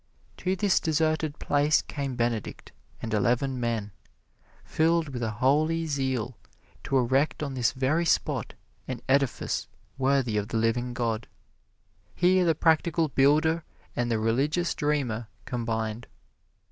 To this deserted place came Benedict and eleven men, filled with a holy zeal to erect on this very spot an edifice worthy of the living God. Here the practical builder and the religious dreamer combined.